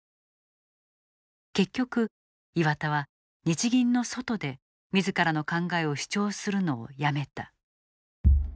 結局、岩田は日銀の外で自らの考えを主張するのをやめた。